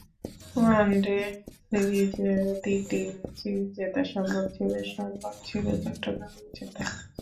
One day সিরিজে তিনটি ম্যাচই জেতা সম্ভব ছিল, সম্ভব ছিল চট্টগ্রামেও জেতা।